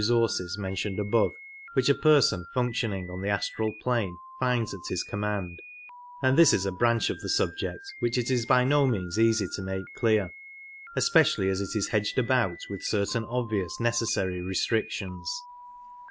sources mentioned above, which a person func tioning on the astral plane finds at his command ; and this is a branch of the subject which it is by no means easy to make clear, especially as it is hedged about with certain obviously necessary restrictions.